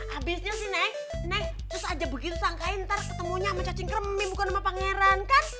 habisnya sih neng neng terus aja begitu sangkain ntar ketemunya sama cacing kremim bukan sama pangeran kan